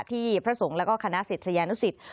ที่พระสงฆ์แล้วก็คณะสิทธิ์สยานุสิทธิ์